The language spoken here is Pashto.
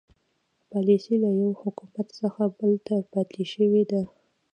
پالیسي له یوه حکومت څخه بل ته پاتې شوې ده.